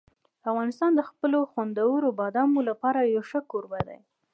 افغانستان د خپلو خوندورو بادامو لپاره یو ښه کوربه دی.